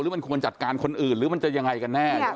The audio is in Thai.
มันควรจัดการคนอื่นหรือมันจะยังไงกันแน่